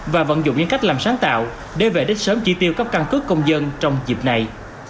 và vận dụng những cách làm sáng tạo để về đích sớm chỉ tiêu cấp căn cước công dân trong dịp này